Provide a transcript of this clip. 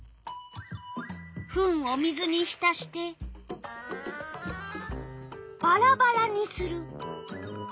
フンを水にひたしてバラバラにする。